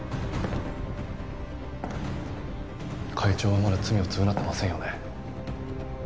会長はまだ罪を償ってませんよね。